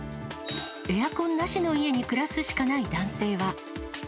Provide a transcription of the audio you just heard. エアコンなしの家に暮らすしかない男性は。